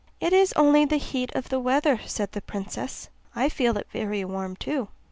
'It is only the heat of the weather,' said the princess: 'I feel it very warm too.